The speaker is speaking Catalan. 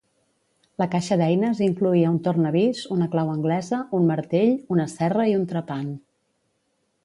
La caixa d'eines incloïa un tornavís, una clau anglesa, un martell, una serra i un trepant